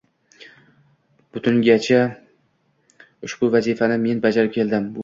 Butungacha ushbu vazifani men bajarib keldim.